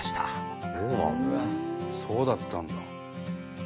そうだったんだ。